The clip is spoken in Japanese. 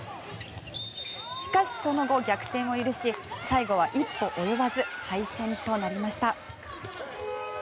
しかし、その後、逆転を許し最後は一歩及ばず敗戦となりました。